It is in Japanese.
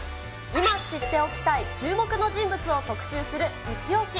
今知っておきたい注目の人物を特集するイチオシ。